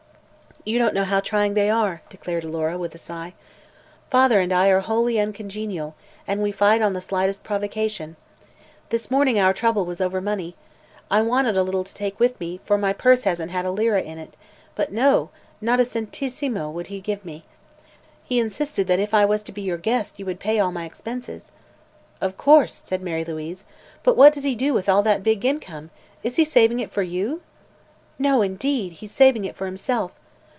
"You don't know how trying they are," declared Alora, with a sigh. "Father and I are wholly uncongenial and we fight on the slightest provocation. This morning our trouble was over money. I wanted a little to take with me, for my purse hasn't a lira in it; but, no! not a centisimo would he give up. He insisted that if I was to be your guest you would pay all my expenses." "Of course," said Mary Louise. "But what does he do with all that big income? Is he saving it for you?" "No, indeed! he's saving it for himself.